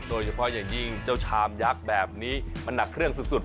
โดยเฉพาะอย่างยิ่งเจ้าชามยักษ์แบบนี้มันหนักเครื่องสุด